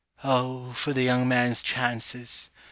O, for the young man's chances!